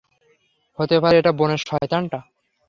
হতে পারে এটা বনের শয়তান টা।